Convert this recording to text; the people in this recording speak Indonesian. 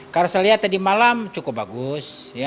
kalau saya lihat tadi malam cukup bagus